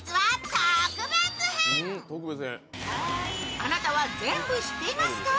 あなたは全部知っていますか？